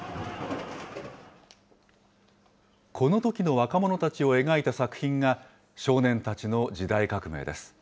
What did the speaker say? このときの若者たちを描いた作品が、少年たちの時代革命です。